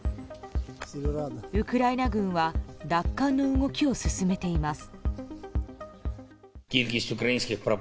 ウクライナ軍は奪還の動きを進めています。